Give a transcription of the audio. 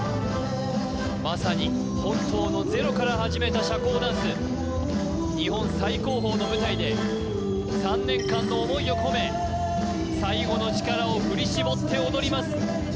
まさに本当のゼロから始めた社交ダンス日本最高峰の舞台で３年間の思いを込め最後の力を振り絞って踊ります